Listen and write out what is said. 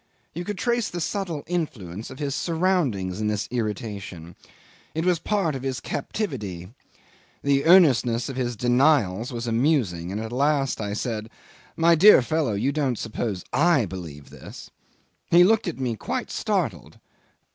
You could trace the subtle influence of his surroundings in this irritation. It was part of his captivity. The earnestness of his denials was amusing, and at last I said, "My dear fellow, you don't suppose I believe this." He looked at me quite startled.